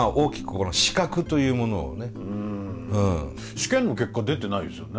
試験の結果出てないですよね。